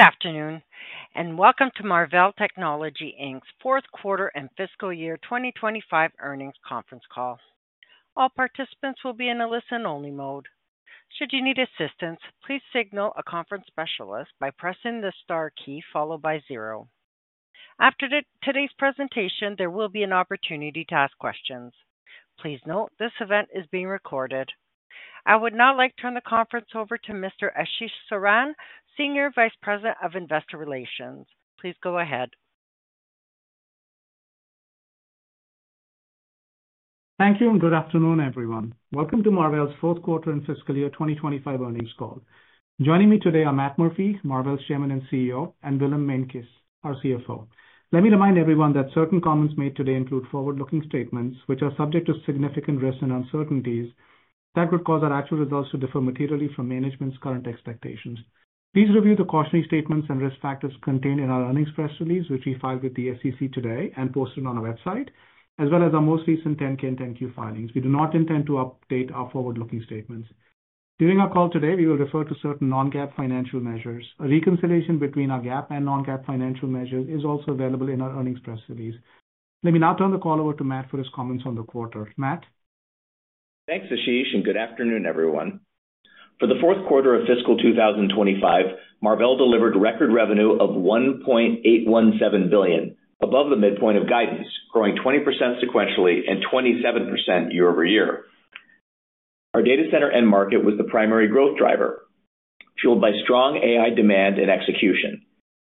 Good afternoon, and welcome to Marvell Technology Inc.'s Fourth Quarter and Fiscal Year 2025 Earnings Conference Call. All participants will be in a listen-only mode. Should you need assistance, please signal a conference specialist by pressing the star key followed by zero. After today's presentation, there will be an opportunity to ask questions. Please note this event is being recorded. I would now like to turn the conference over to Mr. Ashish Saran, Senior Vice President of Investor Relations. Please go ahead. Thank you, and good afternoon, everyone. Welcome to Marvell's fourth quarter and fiscal year 2025 earnings call. Joining me today are Matt Murphy, Marvell's Chairman and CEO, and Willem Meintjes, our CFO. Let me remind everyone that certain comments made today include forward-looking statements, which are subject to significant risks and uncertainties that could cause our actual results to differ materially from management's current expectations. Please review the cautionary statements and risk factors contained in our earnings press release, which we filed with the SEC today and posted on our website, as well as our most recent 10-K and 10-Q filings. We do not intend to update our forward-looking statements. During our call today, we will refer to certain non-GAAP financial measures. A reconciliation between our GAAP and non-GAAP financial measures is also available in our earnings press release. Let me now turn the call over to Matt for his comments on the quarter. Matt. Thanks, Ashish, and good afternoon, everyone. For the fourth quarter of fiscal 2025, Marvell delivered record revenue of $1.817 billion, above the midpoint of guidance, growing 20% sequentially and 27% year-over-year. Our data center and market was the primary growth driver, fueled by strong AI demand and execution.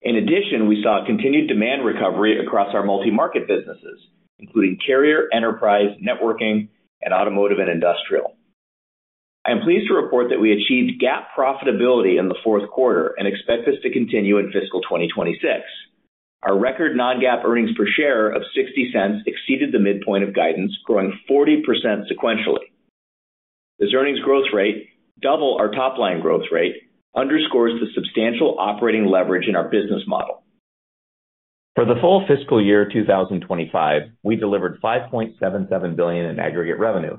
In addition, we saw continued demand recovery across our multi-market businesses, including carrier, enterprise, networking, and automotive and industrial. I am pleased to report that we achieved GAAP profitability in the fourth quarter and expect this to continue in fiscal 2026. Our record non-GAAP earnings per share of $0.60 exceeded the midpoint of guidance, growing 40% sequentially. This earnings growth rate, double our top-line growth rate, underscores the substantial operating leverage in our business model. For the full fiscal year 2025, we delivered $5.77 billion in aggregate revenue,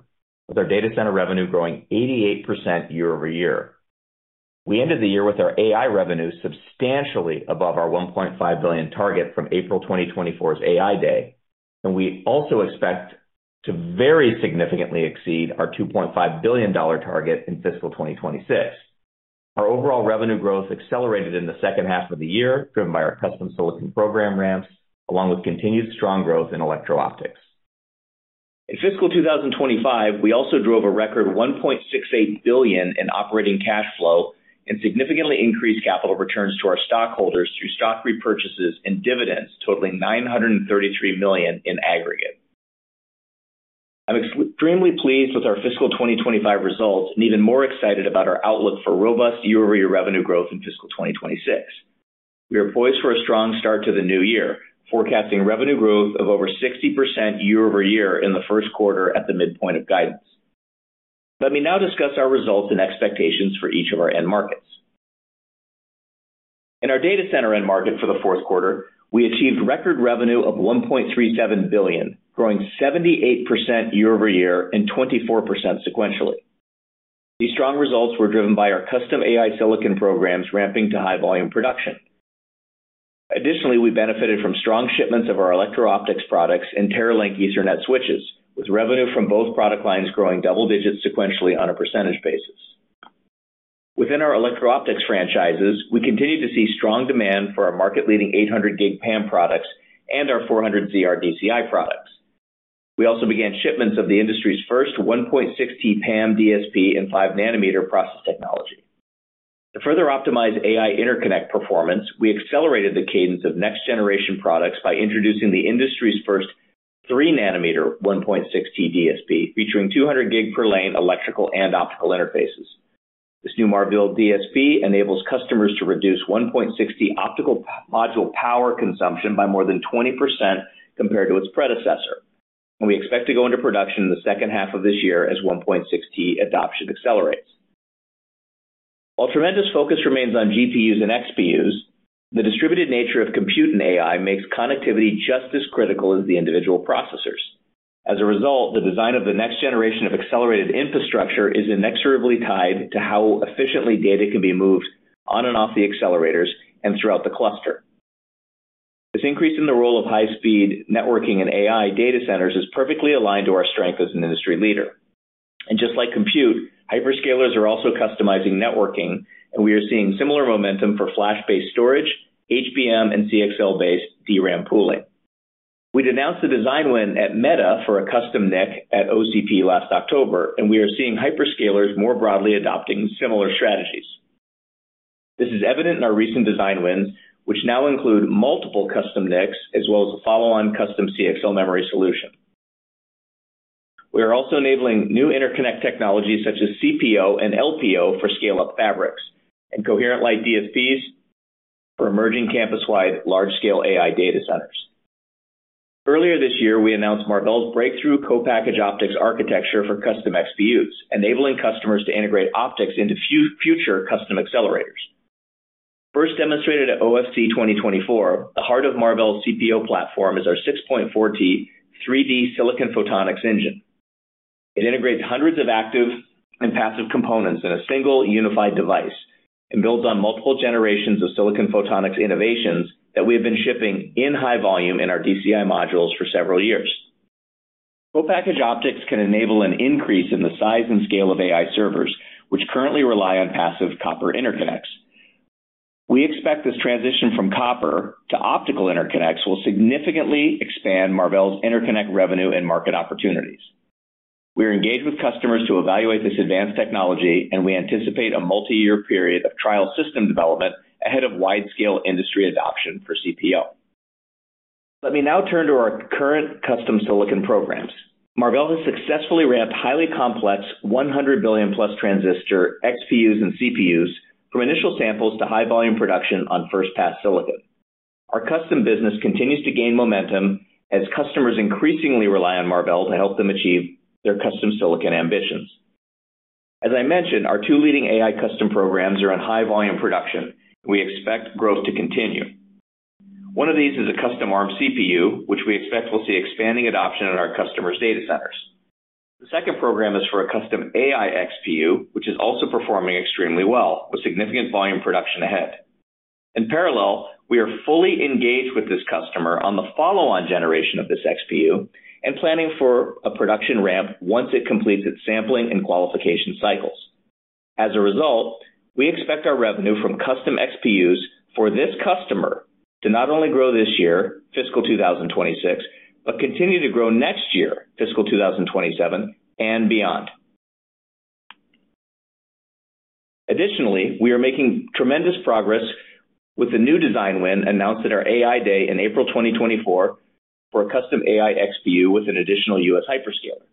with our data center revenue growing 88% year-over-year. We ended the year with our AI revenue substantially above our $1.5 billion target from April 2024's AI Day, and we also expect to very significantly exceed our $2.5 billion target in fiscal 2026. Our overall revenue growth accelerated in the second half of the year, driven by our custom silicon program ramps, along with continued strong growth in electrical optics. In fiscal 2025, we also drove a record $1.68 billion in operating cash flow and significantly increased capital returns to our stockholders through stock repurchases and dividends, totaling $933 million in aggregate. I'm extremely pleased with our fiscal 2025 results and even more excited about our outlook for robust year-over-year revenue growth in fiscal 2026. We are poised for a strong start to the new year, forecasting revenue growth of over 60% year-over-year in the first quarter at the midpoint of guidance. Let me now discuss our results and expectations for each of our end markets. In our data center end market for the fourth quarter, we achieved record revenue of $1.37 billion, growing 78% year-over-year and 24% sequentially. These strong results were driven by our custom AI silicon programs ramping to high-volume production. Additionally, we benefited from strong shipments of our electrical optics products and Teralynx Ethernet switches, with revenue from both product lines growing double digits sequentially on a percentage basis. Within our electrical optics franchises, we continue to see strong demand for our market-leading 800G PAM products and our 400ZR DCI products. We also began shipments of the industry's first 1.6T PAM DSP and 5nm process technology. To further optimize AI interconnect performance, we accelerated the cadence of next-generation products by introducing the industry's first 3nm 1.6T DSP, featuring 200G per lane electrical and optical interfaces. This new Marvell DSP enables customers to reduce 1.6T optical module power consumption by more than 20% compared to its predecessor, and we expect to go into production in the second half of this year as 1.6T adoption accelerates. While tremendous focus remains on GPUs and XPUs, the distributed nature of compute and AI makes connectivity just as critical as the individual processors. As a result, the design of the next generation of accelerated infrastructure is inexorably tied to how efficiently data can be moved on and off the accelerators and throughout the cluster. This increase in the role of high-speed networking and AI data centers is perfectly aligned to our strength as an industry leader and just like compute, hyperscalers are also customizing networking, and we are seeing similar momentum for flash-based storage, HBM, and CXL-based DRAM pooling. We'd announced the design win at Meta for a custom NIC at OCP last October, and we are seeing hyperscalers more broadly adopting similar strategies. This is evident in our recent design wins, which now include multiple custom NICs as well as a follow-on custom CXL memory solution. We are also enabling new interconnect technologies such as CPO and LPO for scale-up fabrics and Coherent-lite DSPs for emerging campus-wide large-scale AI data centers. Earlier this year, we announced Marvell's breakthrough co-package optics architecture for custom XPUs, enabling customers to integrate optics into future custom accelerators. First demonstrated at OFC 2024, the heart of Marvell's CPO platform is our 6.4T 3D silicon photonics engine. It integrates hundreds of active and passive components in a single unified device and builds on multiple generations of silicon photonics innovations that we have been shipping in high volume in our DCI modules for several years. Co-packaged optics can enable an increase in the size and scale of AI servers, which currently rely on passive copper interconnects. We expect this transition from copper to optical interconnects will significantly expand Marvell's interconnect revenue and market opportunities. We are engaged with customers to evaluate this advanced technology, and we anticipate a multi-year period of trial system development ahead of wide-scale industry adoption for CPO. Let me now turn to our current custom silicon programs. Marvell has successfully ramped highly complex 100 billion-plus transistor XPUs and CPUs from initial samples to high-volume production on first-pass silicon. Our custom business continues to gain momentum as customers increasingly rely on Marvell to help them achieve their custom silicon ambitions. As I mentioned, our two leading AI custom programs are in high-volume production, and we expect growth to continue. One of these is a custom ARM CPU, which we expect will see expanding adoption in our customers' data centers. The second program is for a custom AI XPU, which is also performing extremely well, with significant volume production ahead. In parallel, we are fully engaged with this customer on the follow-on generation of this XPU and planning for a production ramp once it completes its sampling and qualification cycles. As a result, we expect our revenue from custom XPUs for this customer to not only grow this year, fiscal 2026, but continue to grow next year, fiscal 2027, and beyond. Additionally, we are making tremendous progress with the new design win announced at our AI Day in April 2024 for a custom AI XPU with an additional U.S. hyperscaler.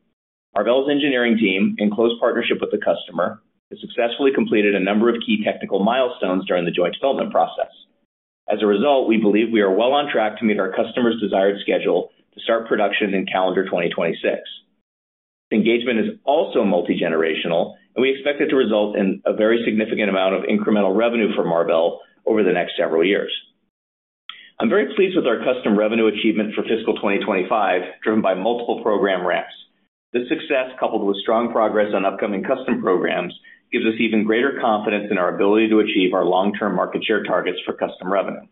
Marvell's engineering team, in close partnership with the customer, has successfully completed a number of key technical milestones during the joint development process. As a result, we believe we are well on track to meet our customers' desired schedule to start production in calendar 2026. This engagement is also multi-generational, and we expect it to result in a very significant amount of incremental revenue for Marvell over the next several years. I'm very pleased with our custom revenue achievement for fiscal 2025, driven by multiple program ramps. This success, coupled with strong progress on upcoming custom programs, gives us even greater confidence in our ability to achieve our long-term market share targets for custom revenue.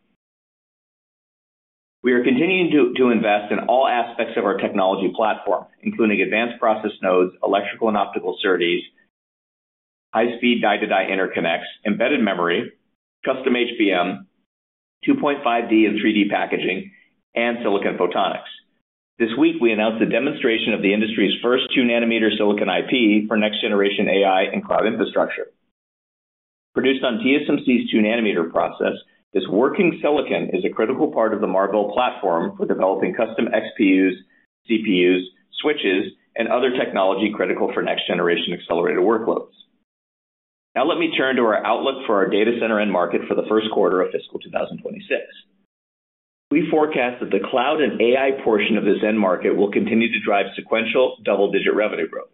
We are continuing to invest in all aspects of our technology platform, including advanced process nodes, electrical and optical SerDes, high-speed die-to-die interconnects, embedded memory, custom HBM, 2.5D and 3D packaging, and silicon photonics. This week, we announced the demonstration of the industry's first 2nm silicon IP for next-generation AI and cloud infrastructure. Produced on TSMC's 2nm process, this working silicon is a critical part of the Marvell platform for developing custom XPUs, CPUs, switches, and other technology critical for next-generation accelerated workloads. Now, let me turn to our outlook for our data center end market for the first quarter of fiscal 2026. We forecast that the cloud and AI portion of this end market will continue to drive sequential double-digit revenue growth.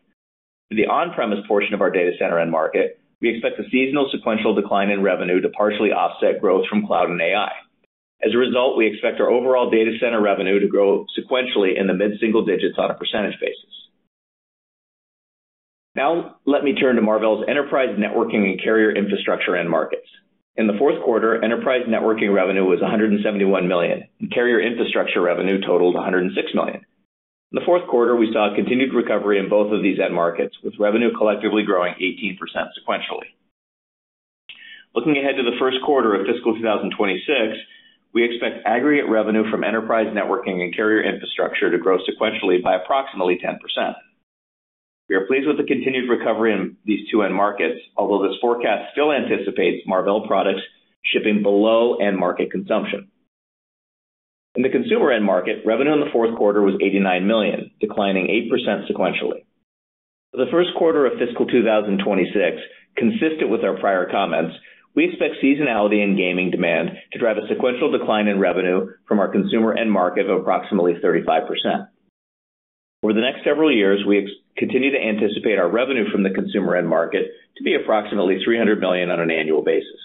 For the on-premise portion of our data center end market, we expect a seasonal sequential decline in revenue to partially offset growth from cloud and AI. As a result, we expect our overall data center revenue to grow sequentially in the mid-single digits on a percentage basis. Now, let me turn to Marvell's enterprise networking and carrier infrastructure end markets. In the fourth quarter, enterprise networking revenue was $171 million, and carrier infrastructure revenue totaled $106 million. In the fourth quarter, we saw a continued recovery in both of these end markets, with revenue collectively growing 18% sequentially. Looking ahead to the first quarter of fiscal 2026, we expect aggregate revenue from enterprise networking and carrier infrastructure to grow sequentially by approximately 10%. We are pleased with the continued recovery in these two end markets, although this forecast still anticipates Marvell products shipping below end market consumption. In the consumer end market, revenue in the fourth quarter was $89 million, declining 8% sequentially. For the first quarter of fiscal 2026, consistent with our prior comments, we expect seasonality in gaming demand to drive a sequential decline in revenue from our consumer end market of approximately 35%. Over the next several years, we continue to anticipate our revenue from the consumer end market to be approximately $300 million on an annual basis.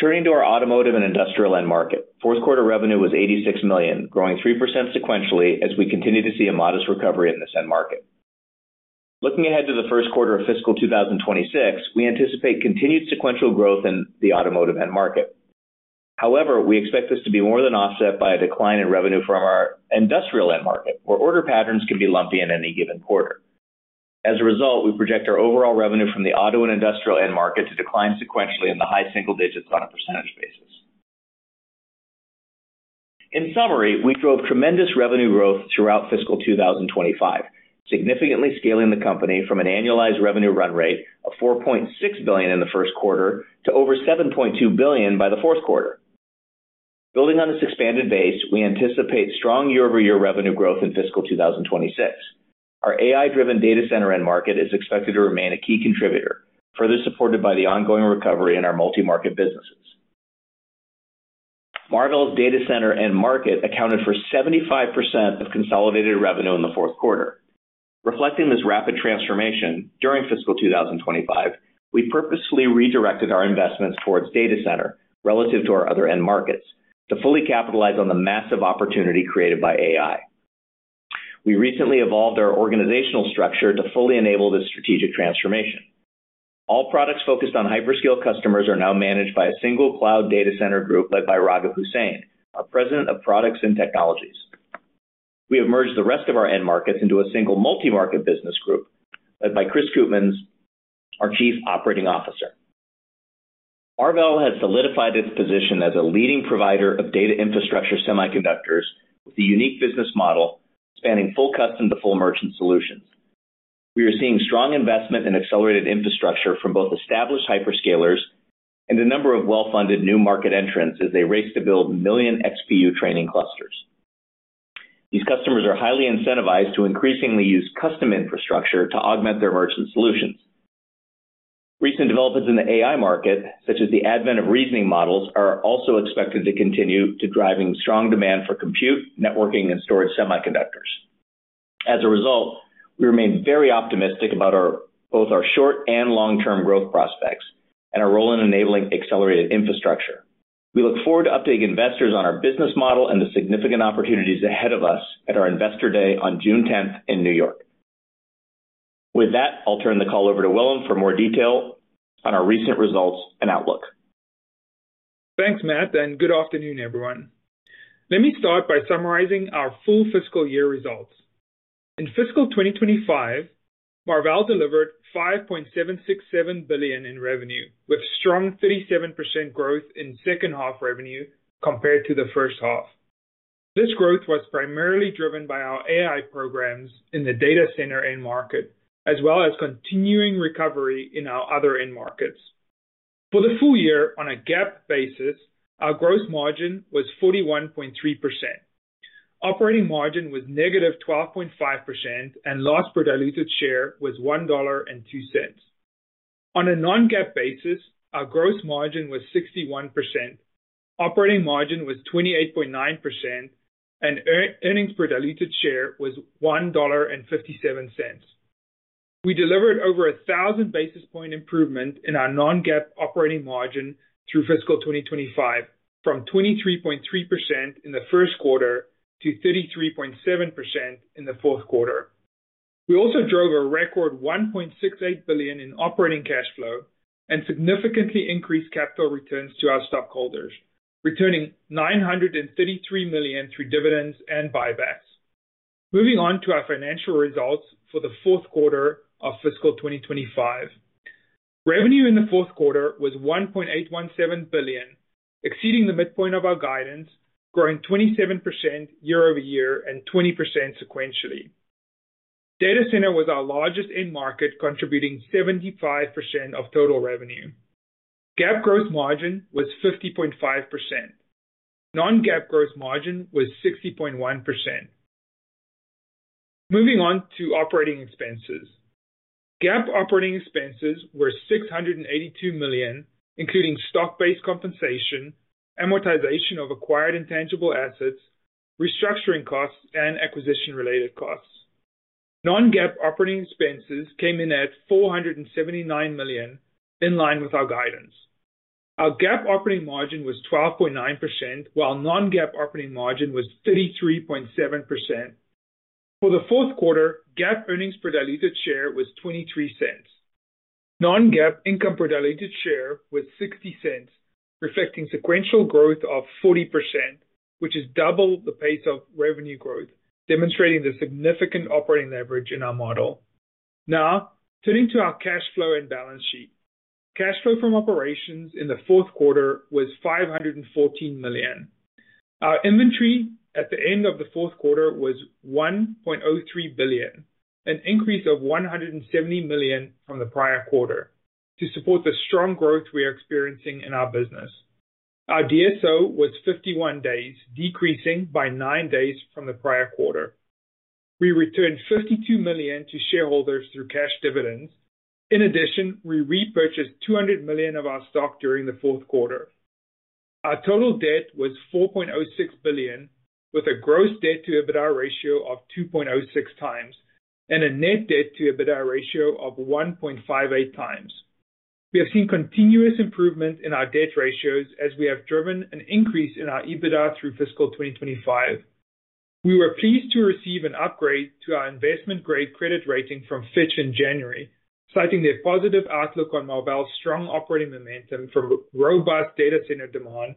Turning to our automotive and industrial end market, fourth quarter revenue was $86 million, growing 3% sequentially as we continue to see a modest recovery in this end market. Looking ahead to the first quarter of fiscal 2026, we anticipate continued sequential growth in the automotive end market. However, we expect this to be more than offset by a decline in revenue from our industrial end market, where order patterns can be lumpy in any given quarter. As a result, we project our overall revenue from the auto and industrial end market to decline sequentially in the high single digits on a percentage basis. In summary, we drove tremendous revenue growth throughout fiscal 2025, significantly scaling the company from an annualized revenue run rate of $4.6 billion in the first quarter to over $7.2 billion by the fourth quarter. Building on this expanded base, we anticipate strong year-over-year revenue growth in fiscal 2026. Our AI-driven data center end market is expected to remain a key contributor, further supported by the ongoing recovery in our multi-market businesses. Marvell's data center end market accounted for 75% of consolidated revenue in the fourth quarter. Reflecting this rapid transformation during fiscal 2025, we purposefully redirected our investments towards data center relative to our other end markets to fully capitalize on the massive opportunity created by AI. We recently evolved our organizational structure to fully enable this strategic transformation. All products focused on hyperscale customers are now managed by a single cloud data center group led by Raghib Hussain, our President of Products and Technologies. We have merged the rest of our end markets into a single multi-market business group led by Chris Koopmans, our Chief Operating Officer. Marvell has solidified its position as a leading provider of data infrastructure semiconductors with a unique business model spanning full custom to full merchant solutions. We are seeing strong investment in accelerated infrastructure from both established hyperscalers and a number of well-funded new market entrants as they race to build million XPU training clusters. These customers are highly incentivized to increasingly use custom infrastructure to augment their merchant solutions. Recent developments in the AI market, such as the advent of reasoning models, are also expected to continue to drive strong demand for compute, networking, and storage semiconductors. As a result, we remain very optimistic about both our short and long-term growth prospects and our role in enabling accelerated infrastructure. We look forward to updating investors on our business model and the significant opportunities ahead of us at our investor day on June 10th in New York. With that, I'll turn the call over to Willem for more detail on our recent results and outlook. Thanks, Matt, and good afternoon, everyone. Let me start by summarizing our full fiscal year results. In fiscal 2025, Marvell delivered $5.767 billion in revenue, with strong 37% growth in second-half revenue compared to the first half. This growth was primarily driven by our AI programs in the data center end market, as well as continuing recovery in our other end markets. For the full year, on a GAAP basis, our gross margin was 41.3%. Operating margin was negative 12.5%, and loss per diluted share was $1.02. On a non-GAAP basis, our gross margin was 61%, operating margin was 28.9%, and earnings per diluted share was $1.57. We delivered over a thousand basis point improvement in our non-GAAP operating margin through fiscal 2025, from 23.3% in the first quarter to 33.7% in the fourth quarter. We also drove a record $1.68 billion in operating cash flow and significantly increased capital returns to our stockholders, returning $933 million through dividends and buybacks. Moving on to our financial results for the fourth quarter of fiscal 2025. Revenue in the fourth quarter was $1.817 billion, exceeding the midpoint of our guidance, growing 27% year-over-year and 20% sequentially. Data center was our largest end market, contributing 75% of total revenue. GAAP gross margin was 50.5%. Non-GAAP gross margin was 60.1%. Moving on to operating expenses. GAAP operating expenses were $682 million, including stock-based compensation, amortization of acquired intangible assets, restructuring costs, and acquisition-related costs. Non-GAAP operating expenses came in at $479 million, in line with our guidance. Our GAAP operating margin was 12.9%, while non-GAAP operating margin was 33.7%. For the fourth quarter, GAAP earnings per diluted share was $0.23. Non-GAAP income per diluted share was $0.60, reflecting sequential growth of 40%, which is double the pace of revenue growth, demonstrating the significant operating leverage in our model. Now, turning to our cash flow and balance sheet. Cash flow from operations in the fourth quarter was $514 million. Our inventory at the end of the fourth quarter was $1.03 billion, an increase of $170 million from the prior quarter, to support the strong growth we are experiencing in our business. Our DSO was 51 days, decreasing by nine days from the prior quarter. We returned $52 million to shareholders through cash dividends. In addition, we repurchased $200 million of our stock during the fourth quarter. Our total debt was $4.06 billion, with a gross debt-to-EBITDA ratio of 2.06 times and a net debt-to-EBITDA ratio of 1.58 times. We have seen continuous improvement in our debt ratios as we have driven an increase in our EBITDA through fiscal 2025. We were pleased to receive an upgrade to our investment-grade credit rating from Fitch in January, citing their positive outlook on Marvell's strong operating momentum from robust data center demand,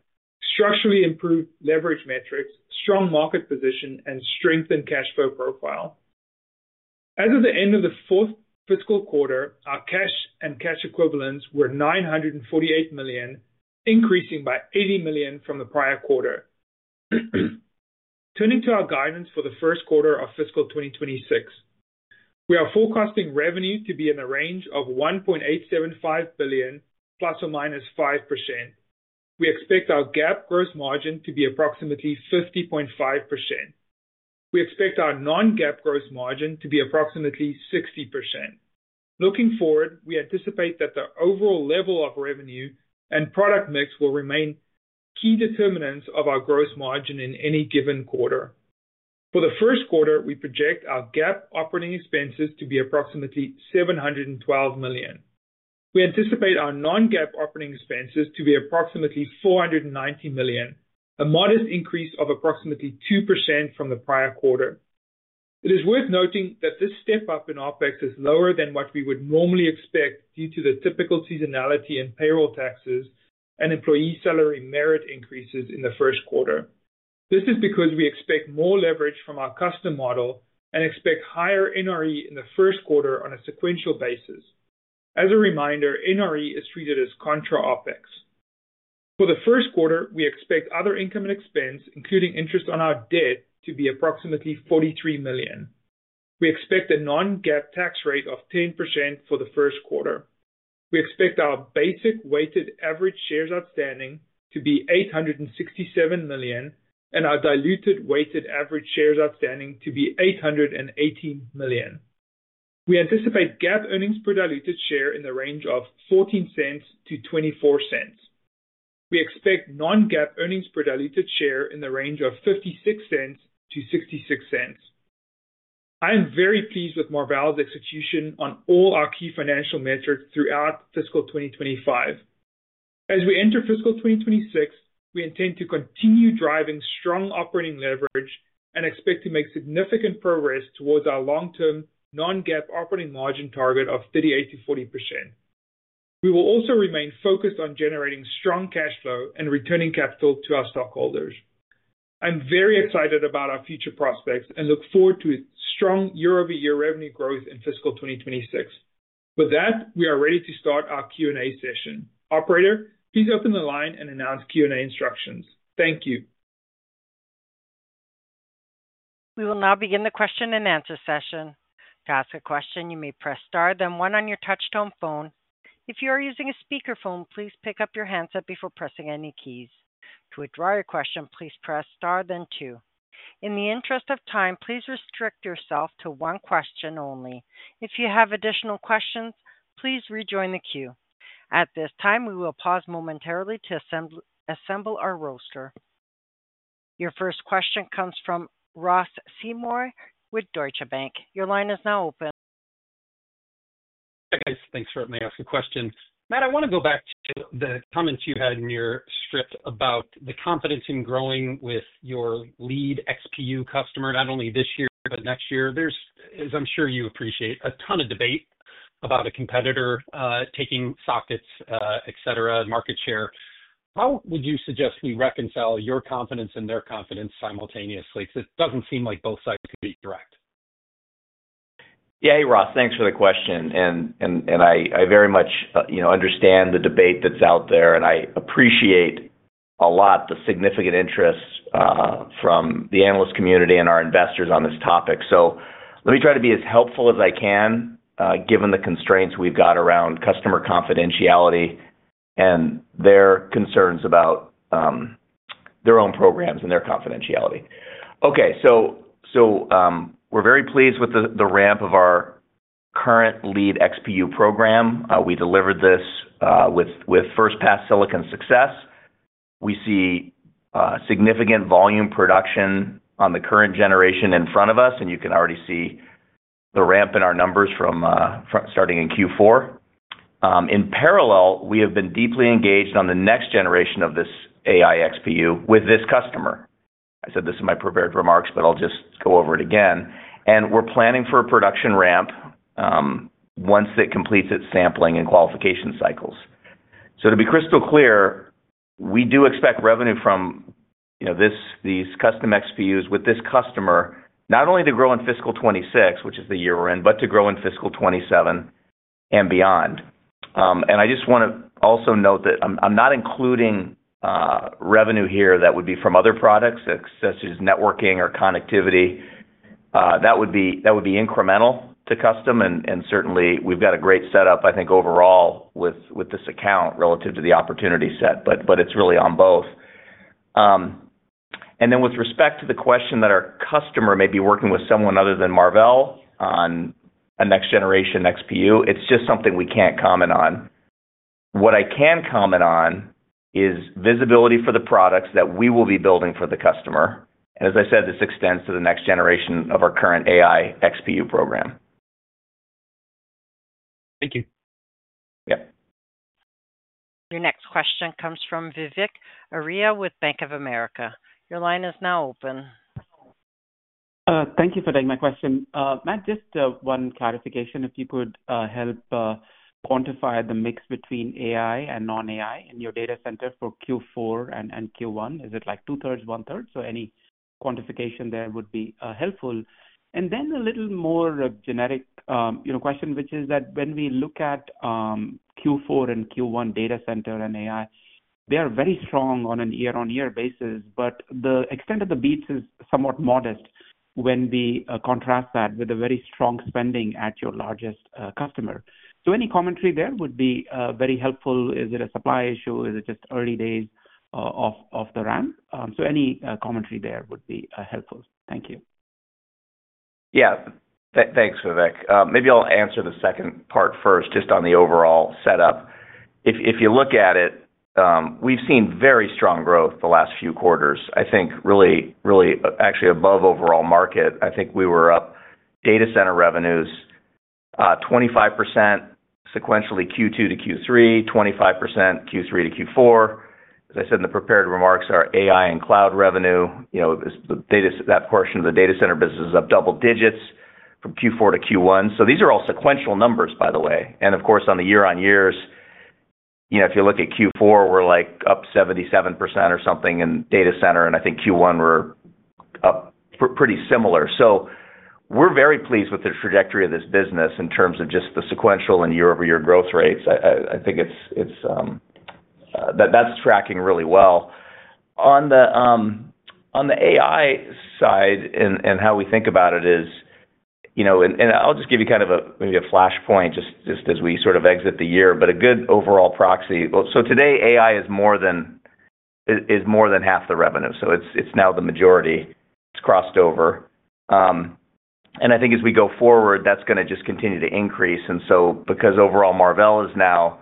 structurally improved leverage metrics, strong market position, and strengthened cash flow profile. As of the end of the fourth fiscal quarter, our cash and cash equivalents were $948 million, increasing by $80 million from the prior quarter. Turning to our guidance for the first quarter of fiscal 2026, we are forecasting revenue to be in the range of $1.875 billion, plus or minus 5%. We expect our GAAP gross margin to be approximately 50.5%. We expect our non-GAAP gross margin to be approximately 60%. Looking forward, we anticipate that the overall level of revenue and product mix will remain key determinants of our gross margin in any given quarter. For the first quarter, we project our GAAP operating expenses to be approximately $712 million. We anticipate our non-GAAP operating expenses to be approximately $490 million, a modest increase of approximately 2% from the prior quarter. It is worth noting that this step up in OpEx is lower than what we would normally expect due to the typical seasonality in payroll taxes and employee salary merit increases in the first quarter. This is because we expect more leverage from our custom model and expect higher NRE in the first quarter on a sequential basis. As a reminder, NRE is treated as contra-OpEx. For the first quarter, we expect other income and expense, including interest on our debt, to be approximately $43 million. We expect a non-GAAP tax rate of 10% for the first quarter. We expect our basic weighted average shares outstanding to be 867 million and our diluted weighted average shares outstanding to be 818 million. We anticipate GAAP earnings per diluted share in the range of $0.14-$0.24. We expect non-GAAP earnings per diluted share in the range of $0.56-$0.66. I am very pleased with Marvell's execution on all our key financial metrics throughout fiscal 2025. As we enter fiscal 2026, we intend to continue driving strong operating leverage and expect to make significant progress towards our long-term non-GAAP operating margin target of 38%-40%. We will also remain focused on generating strong cash flow and returning capital to our stockholders. I'm very excited about our future prospects and look forward to strong year-over-year revenue growth in fiscal 2026. With that, we are ready to start our Q&A session. Operator, please open the line and announce Q&A instructions. Thank you. We will now begin the question and answer session. To ask a question, you may press Star, then 1 on your touch-tone phone. If you are using a speakerphone, please pick up your handset before pressing any keys. To withdraw your question, please press Star, then 2. In the interest of time, please restrict yourself to one question only. If you have additional questions, please rejoin the queue. At this time, we will pause momentarily to assemble our roster. Your first question comes from Ross Seymore with Deutsche Bank. Your line is now open. Hey, guys. Thanks for letting me ask a question. Matt, I want to go back to the comments you had in your script about the confidence in growing with your lead XPU customer, not only this year but next year. There's, as I'm sure you appreciate, a ton of debate about a competitor taking sockets, etc., market share. How would you suggest we reconcile your confidence and their confidence simultaneously? It doesn't seem like both sides can be direct. Yeah, hey, Ross, thanks for the question, and I very much understand the debate that's out there, and I appreciate a lot the significant interest from the analyst community and our investors on this topic. Let me try to be as helpful as I can, given the constraints we've got around customer confidentiality and their concerns about their own programs and their confidentiality. Okay, so we're very pleased with the ramp of our current lead XPU program. We delivered this with first-pass silicon success. We see significant volume production on the current generation in front of us, and you can already see the ramp in our numbers starting in Q4. In parallel, we have been deeply engaged on the next generation of this AI XPU with this customer. I said this in my prepared remarks, but I'll just go over it again. We're planning for a production ramp once it completes its sampling and qualification cycles. So to be crystal clear, we do expect revenue from these custom XPUs with this customer not only to grow in fiscal 26, which is the year we're in, but to grow in fiscal 27 and beyond. And I just want to also note that I'm not including revenue here that would be from other products, such as networking or connectivity. That would be incremental to custom, and certainly, we've got a great setup, I think, overall with this account relative to the opportunity set, but it's really on both. And then with respect to the question that our customer may be working with someone other than Marvell on a next-generation XPU, it's just something we can't comment on. What I can comment on is visibility for the products that we will be building for the customer. And as I said, this extends to the next generation of our current AI XPU program. Thank you. Yeah. Your next question comes from Vivek Arya with Bank of America. Your line is now open. Thank you for taking my question. Matt, just one clarification. If you could help quantify the mix between AI and non-AI in your data center for Q4 and Q1, is it like two-thirds, one-third? So any quantification there would be helpful. And then a little more generic question, which is that when we look at Q4 and Q1 data center and AI, they are very strong on a year-over-year basis, but the extent of the beats is somewhat modest when we contrast that with the very strong spending at your largest customer. So any commentary there would be very helpful. Is it a supply issue? Is it just early days of the ramp? So any commentary there would be helpful. Thank you. Yeah, thanks, Vivek. Maybe I'll answer the second part first, just on the overall setup. If you look at it, we've seen very strong growth the last few quarters, I think, really, really actually above overall market. I think we were up data center revenues 25% sequentially Q2 to Q3, 25% Q3 to Q4. As I said in the prepared remarks, our AI and cloud revenue, that portion of the data center business is up double digits from Q4 to Q1. So these are all sequential numbers, by the way. And of course, on the year-over-year, if you look at Q4, we're like up 77% or something in data center, and I think Q1 we're up pretty similar. So we're very pleased with the trajectory of this business in terms of just the sequential and year-over-year growth rates. I think that's tracking really well. On the AI side and how we think about it is, and I'll just give you kind of a maybe a flashpoint just as we sort of exit the year, but a good overall proxy. So today, AI is more than half the revenue. So it's now the majority. It's crossed over. And I think as we go forward, that's going to just continue to increase. And so because overall, Marvell is now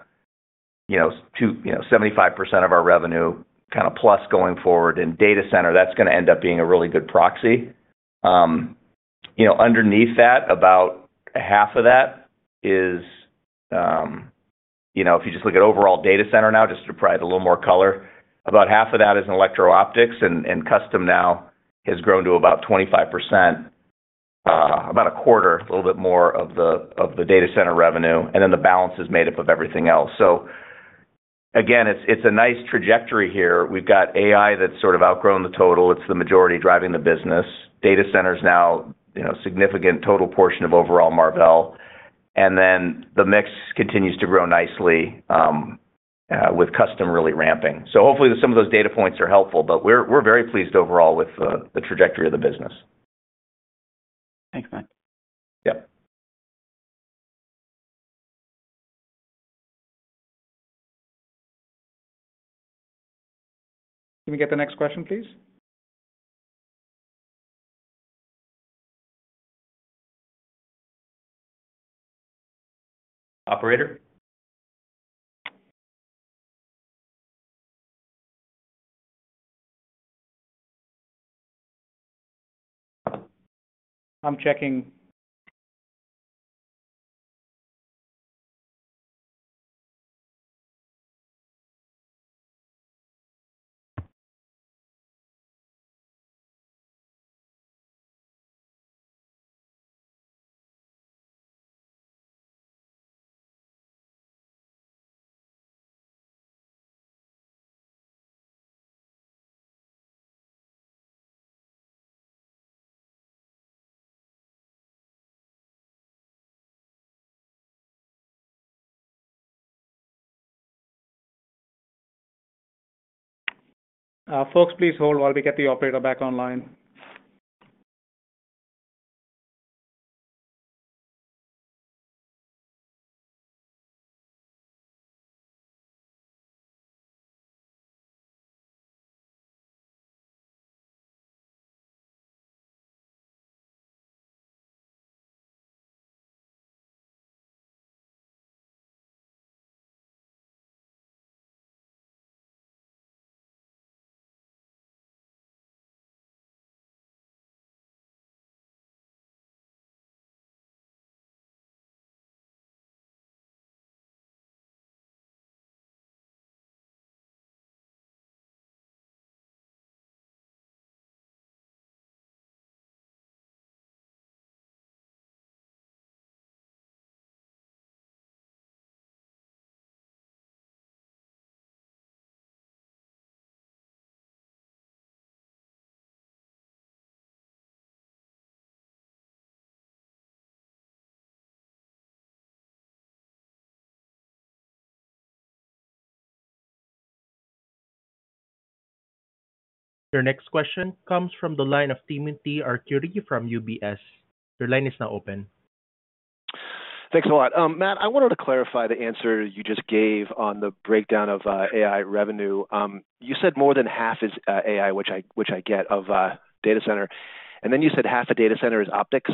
75% of our revenue kind of plus going forward in data center, that's going to end up being a really good proxy. Underneath that, about half of that is, if you just look at overall data center now, just to provide a little more color, about half of that is in electrical optics, and custom now has grown to about 25%, about a quarter, a little bit more of the data center revenue. And then the balance is made up of everything else. So again, it's a nice trajectory here. We've got AI that's sort of outgrown the total. It's the majority driving the business. Data center is now a significant total portion of overall Marvell. And then the mix continues to grow nicely with custom really ramping. So hopefully, some of those data points are helpful, but we're very pleased overall with the trajectory of the business. Thanks, Matt. Yeah. Can we get the next question, please? Operator. I'm checking. Folks, please hold while we get the operator back online. Your next question comes from the line of Timothy Arcuri from UBS. Your line is now open. Thanks a lot. Matt, I wanted to clarify the answer you just gave on the breakdown of AI revenue. You said more than half is AI, which I get of data center. And then you said half of data center is optics.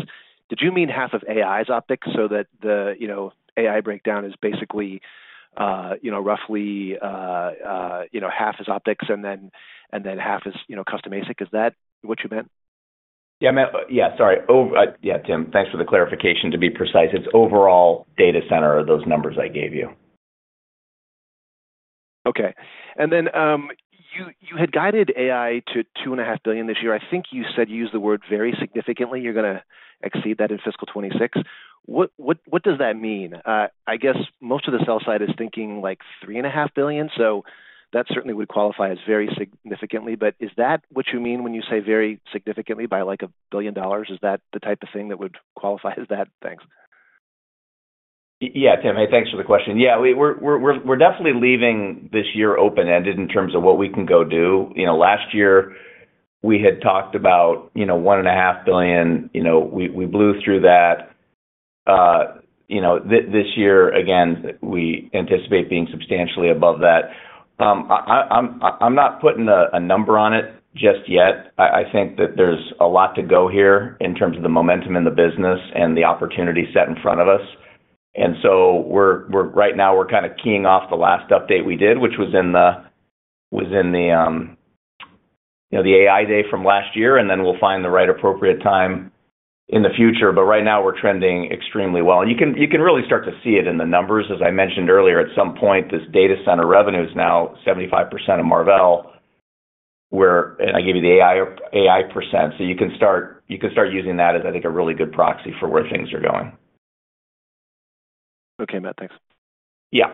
Did you mean half of AI is optics? So that the AI breakdown is basically roughly half is optics and then half is custom ASIC. Is that what you meant? Yeah, yeah, sorry. Yeah, Tim, thanks for the clarification. To be precise, it's overall data center are those numbers I gave you. Okay. And then you had guided AI to $2.5 billion this year. I think you said you used the word very significantly. You're going to exceed that in fiscal 2026. What does that mean? I guess most of the sell side is thinking like $3.5 billion. So that certainly would qualify as very significantly. But is that what you mean when you say very significantly by like a billion dollars? Is that the type of thing that would qualify as that? Thanks. Yeah, Tim, thanks for the question. Yeah, we're definitely leaving this year open-ended in terms of what we can go do. Last year, we had talked about $1.5 billion. We blew through that. This year, again, we anticipate being substantially above that. I'm not putting a number on it just yet. I think that there's a lot to go here in terms of the momentum in the business and the opportunity set in front of us. And so right now, we're kind of keying off the last update we did, which was in the AI day from last year, and then we'll find the right appropriate time in the future. But right now, we're trending extremely well. And you can really start to see it in the numbers. As I mentioned earlier, at some point, this data center revenue is now 75% of Marvell. And I gave you the AI percent. So you can start using that as, I think, a really good proxy for where things are going. Okay, Matt. Thanks. Yeah.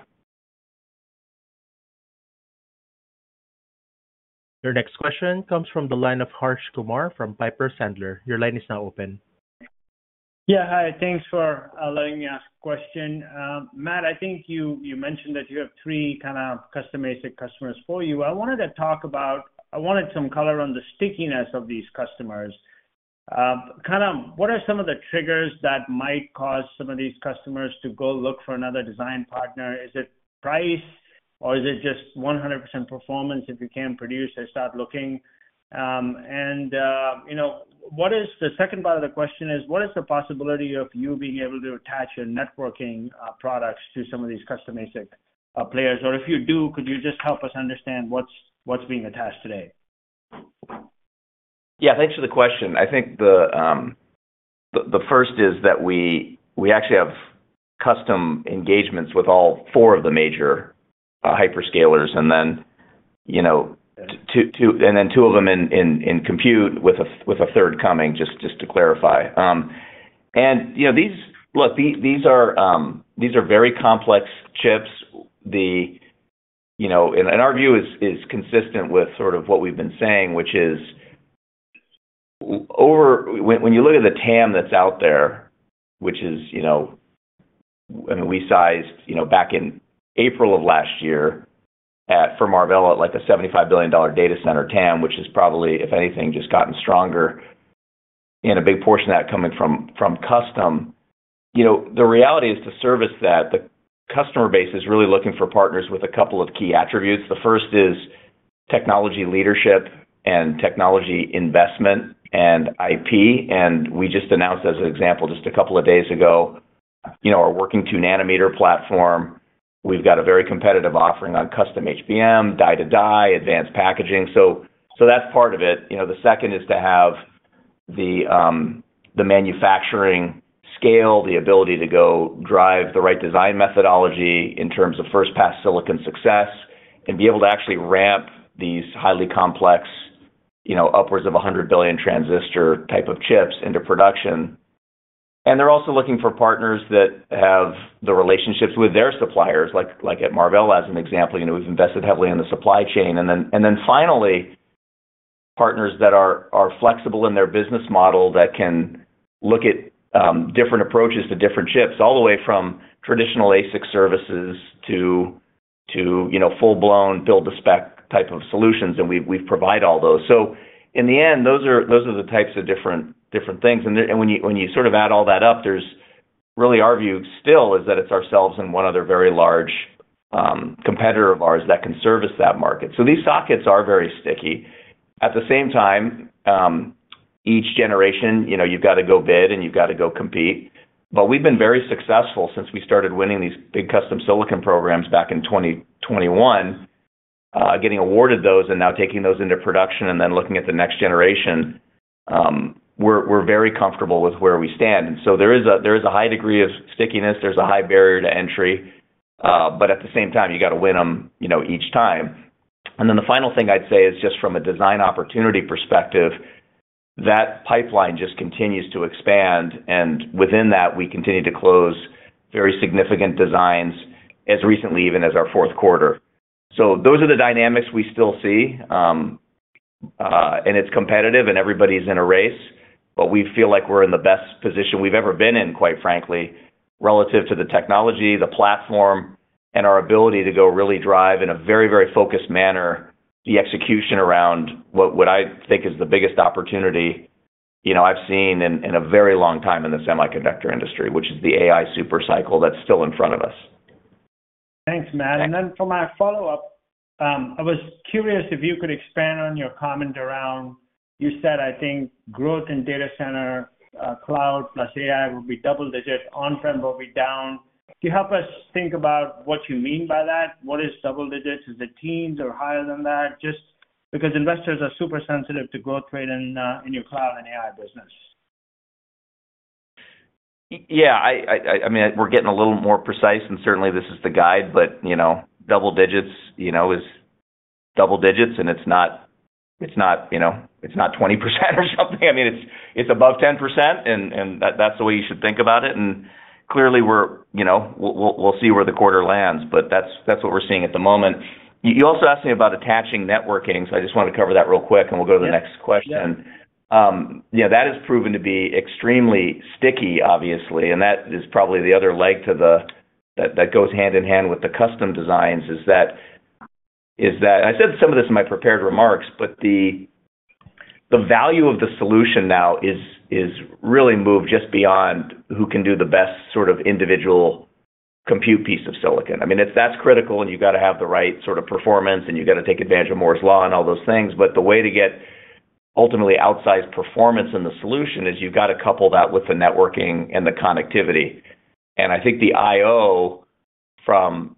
Your next question comes from the line of Harsh Kumar from Piper Sandler. Your line is now open. Yeah, hi. Thanks for letting me ask a question. Matt, I think you mentioned that you have three kind of custom ASIC customers for you. I wanted some color on the stickiness of these customers. Kind of, what are some of the triggers that might cause some of these customers to go look for another design partner? Is it price, or is it just 100% performance if you can't produce or start looking? And what is the second part of the question? What is the possibility of you being able to attach your networking products to some of these custom ASIC players? Or if you do, could you just help us understand what's being attached today? Yeah, thanks for the question. I think the first is that we actually have custom engagements with all four of the major hyperscalers, and then two of them in compute with a third coming, just to clarify. And look, these are very complex chips. Our view is consistent with sort of what we've been saying, which is when you look at the TAM that's out there, which is, I mean, we sized back in April of last year for Marvell at like a $75 billion data center TAM, which has probably, if anything, just gotten stronger, and a big portion of that coming from custom. The reality is to service that, the customer base is really looking for partners with a couple of key attributes. The first is technology leadership and technology investment and IP. We just announced, as an example, just a couple of days ago, our working two-nanometer platform. We've got a very competitive offering on custom HBM, die-to-die, advanced packaging. So that's part of it. The second is to have the manufacturing scale, the ability to go drive the right design methodology in terms of first-pass silicon success, and be able to actually ramp these highly complex, upwards of 100 billion transistor type of chips into production. And they're also looking for partners that have the relationships with their suppliers, like at Marvell, as an example. We've invested heavily in the supply chain. And then finally, partners that are flexible in their business model that can look at different approaches to different chips, all the way from traditional ASIC services to full-blown build-to-spec type of solutions. And we provide all those. So in the end, those are the types of different things. And when you sort of add all that up, really our view still is that it's ourselves and one other very large competitor of ours that can service that market. So these sockets are very sticky. At the same time, each generation, you've got to go bid, and you've got to go compete. But we've been very successful since we started winning these big custom silicon programs back in 2021, getting awarded those, and now taking those into production, and then looking at the next generation. We're very comfortable with where we stand. And so there is a high degree of stickiness. There's a high barrier to entry. But at the same time, you got to win them each time. And then the final thing I'd say is just from a design opportunity perspective, that pipeline just continues to expand. And within that, we continue to close very significant designs, as recently even as our fourth quarter. So those are the dynamics we still see. And it's competitive, and everybody's in a race. But we feel like we're in the best position we've ever been in, quite frankly, relative to the technology, the platform, and our ability to go really drive in a very, very focused manner the execution around what I think is the biggest opportunity I've seen in a very long time in the semiconductor industry, which is the AI supercycle that's still in front of us. Thanks, Matt. And then for my follow-up, I was curious if you could expand on your comment around you said, "I think growth in data center, cloud plus AI will be double digits. On-prem will be down." Can you help us think about what you mean by that? What is double digits? Is it teens or higher than that? Just because investors are super sensitive to growth rate in your cloud and AI business. Yeah. I mean, we're getting a little more precise, and certainly, this is the guide. But double digits is double digits, and it's not 20% or something. I mean, it's above 10%, and that's the way you should think about it. And clearly, we'll see where the quarter lands, but that's what we're seeing at the moment. You also asked me about attaching networking, so I just wanted to cover that real quick, and we'll go to the next question. Yeah, that has proven to be extremely sticky, obviously. And that is probably the other leg that goes hand in hand with the custom designs is that I said some of this in my prepared remarks, but the value of the solution now is really moved just beyond who can do the best sort of individual compute piece of silicon. I mean, that's critical, and you got to have the right sort of performance, and you got to take advantage of Moore's Law and all those things. But the way to get ultimately outsized performance in the solution is you've got to couple that with the networking and the connectivity. And I think the I/O from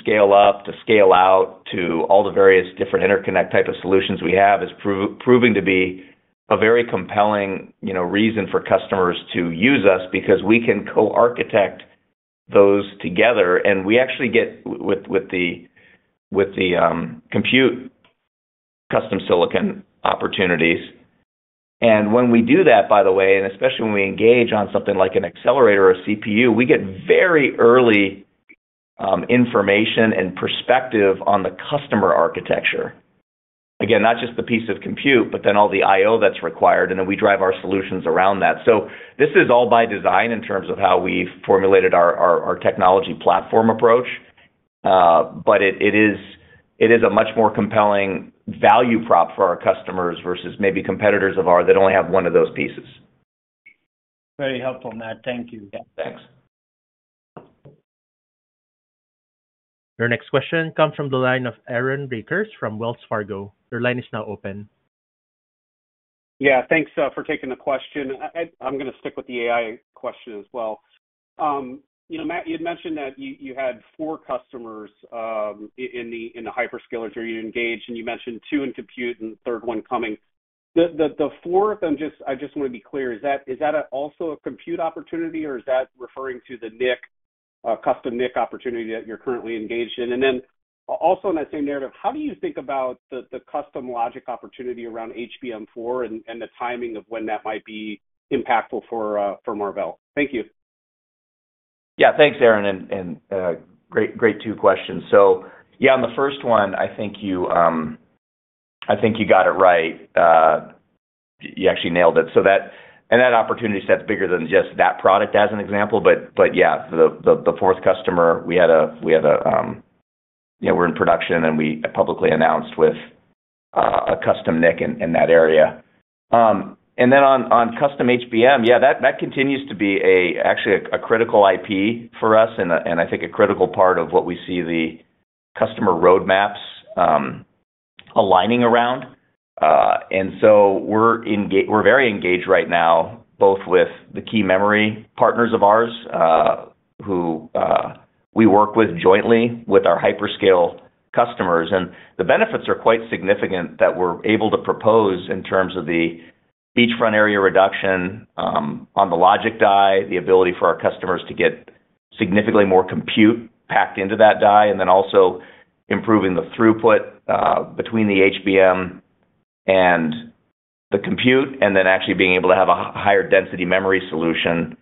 scale-up to scale-out to all the various different interconnect type of solutions we have is proving to be a very compelling reason for customers to use us because we can co-architect those together. And we actually get with the compute custom silicon opportunities. And when we do that, by the way, and especially when we engage on something like an accelerator or CPU, we get very early information and perspective on the customer architecture. Again, not just the piece of compute, but then all the I/O that's required, and then we drive our solutions around that. So this is all by design in terms of how we've formulated our technology platform approach. But it is a much more compelling value prop for our customers versus maybe competitors of ours that only have one of those pieces. Very helpful, Matt. Thank you. Yeah. Thanks. Your next question comes from the line of Aaron Rakers from Wells Fargo. Your line is now open. Yeah. Thanks for taking the question. I'm going to stick with the AI question as well. Matt, you had mentioned that you had four customers in the hyperscalers where you engaged, and you mentioned two in compute and third one coming. The fourth, I just want to be clear, is that also a compute opportunity, or is that referring to the NIC, custom NIC opportunity that you're currently engaged in? And then also in that same narrative, how do you think about the custom logic opportunity around HBM4 and the timing of when that might be impactful for Marvell? Thank you. Yeah. Thanks, Aaron. And great, two questions. So yeah, on the first one, I think you got it right. You actually nailed it. And that opportunity is bigger than just that product as an example. But yeah, the fourth customer, we have, we're in production, and we publicly announced with a custom NIC in that area. And then on custom HBM, yeah, that continues to be actually a critical IP for us, and I think a critical part of what we see the customer roadmaps aligning around. And so we're very engaged right now, both with the key memory partners of ours who we work with jointly with our hyperscale customers. And the benefits are quite significant that we're able to propose in terms of the beachfront area reduction on the logic die, the ability for our customers to get significantly more compute packed into that die, and then also improving the throughput between the HBM and the compute, and then actually being able to have a higher density memory solution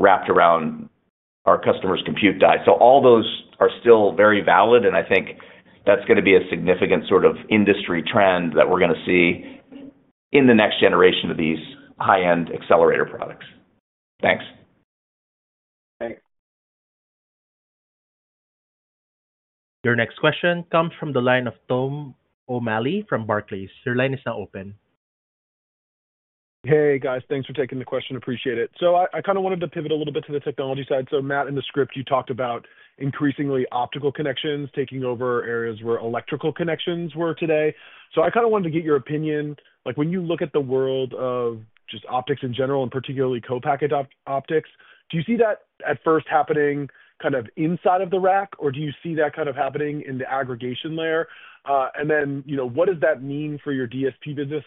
wrapped around our customer's compute die. So all those are still very valid, and I think that's going to be a significant sort of industry trend that we're going to see in the next generation of these high-end accelerator products. Thanks. Thanks. Your next question comes from the line of Tom O'Malley from Barclays. Your line is now open. Hey, guys. Thanks for taking the question. Appreciate it. So I kind of wanted to pivot a little bit to the technology side. So Matt, in the script, you talked about increasingly optical connections taking over areas where electrical connections were today. So I kind of wanted to get your opinion. When you look at the world of just optics in general, and particularly co-packaged optics, do you see that at first happening kind of inside of the rack, or do you see that kind of happening in the aggregation layer? And then what does that mean for your DSP business?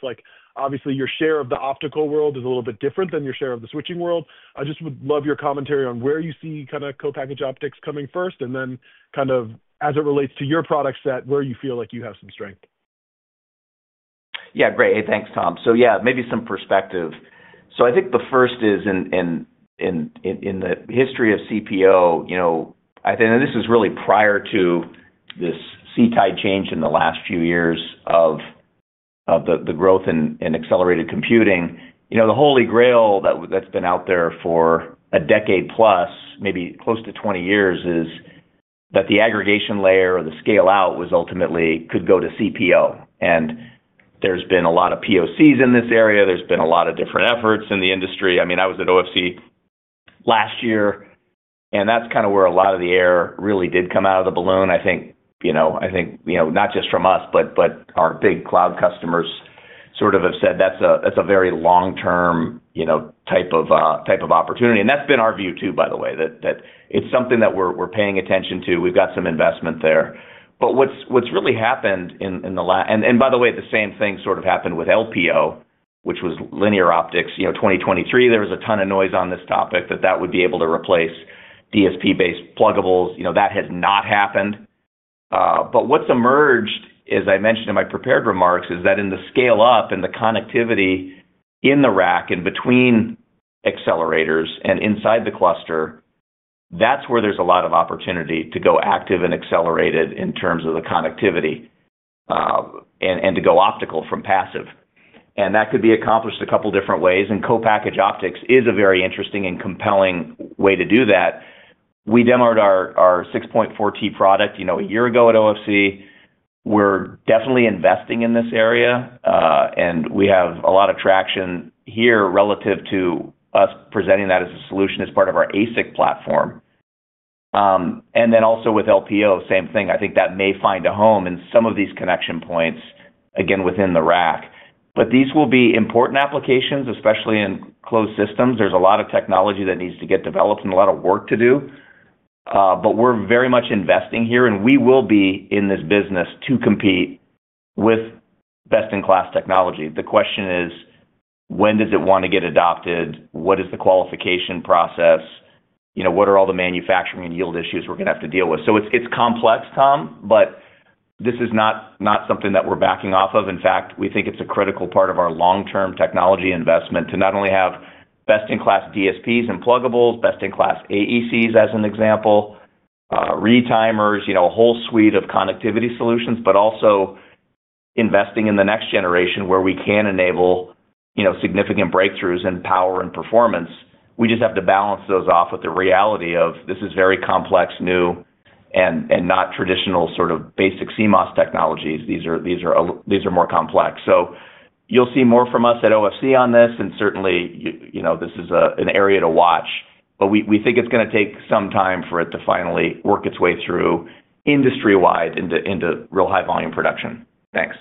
Obviously, your share of the optical world is a little bit different than your share of the switching world. I just would love your commentary on where you see kind of co-packaged optics coming first, and then kind of as it relates to your product set, where you feel like you have some strength. Yeah. Great. Hey, thanks, Tom. So yeah, maybe some perspective. So I think the first is in the history of CPO, and this is really prior to this sea change in the last few years of the growth in accelerated computing. The holy grail that's been out there for a decade plus, maybe close to 20 years, is that the aggregation layer or the scale-out could go to CPO. And there's been a lot of POCs in this area. There's been a lot of different efforts in the industry. I mean, I was at OFC last year, and that's kind of where a lot of the air really did come out of the balloon. I think not just from us, but our big cloud customers sort of have said that's a very long-term type of opportunity. That's been our view too, by the way, that it's something that we're paying attention to. We've got some investment there. What's really happened in the last and by the way, the same thing sort of happened with LPO, which was linear pluggable optics. 2023, there was a ton of noise on this topic that that would be able to replace DSP-based pluggables. That has not happened. What's emerged, as I mentioned in my prepared remarks, is that in the scale-up and the connectivity in the rack and between accelerators and inside the cluster, that's where there's a lot of opportunity to go active and accelerated in terms of the connectivity and to go optical from passive. That could be accomplished a couple of different ways. Co-packaged optics is a very interesting and compelling way to do that. We demoed our 6.4T product a year ago at OFC. We're definitely investing in this area, and we have a lot of traction here relative to us presenting that as a solution as part of our ASIC platform. And then also with LPO, same thing. I think that may find a home in some of these connection points, again, within the rack. But these will be important applications, especially in closed systems. There's a lot of technology that needs to get developed and a lot of work to do. But we're very much investing here, and we will be in this business to compete with best-in-class technology. The question is, when does it want to get adopted? What is the qualification process? What are all the manufacturing and yield issues we're going to have to deal with? So it's complex, Tom, but this is not something that we're backing off of. In fact, we think it's a critical part of our long-term technology investment to not only have best-in-class DSPs and pluggables, best-in-class AECs as an example, retimers, a whole suite of connectivity solutions, but also investing in the next generation where we can enable significant breakthroughs in power and performance. We just have to balance those off with the reality of this is very complex, new, and not traditional sort of basic CMOS technologies. These are more complex. So you'll see more from us at OFC on this, and certainly, this is an area to watch. But we think it's going to take some time for it to finally work its way through industry-wide into real high-volume production. Thanks.